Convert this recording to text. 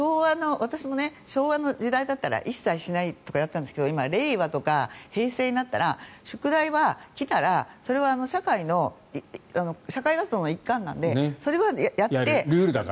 昭和の時代だから一切しないとかやってたんですけど今、令和とか平成になったら宿題は、来たらそれは社会活動の一環なのでそれはやって。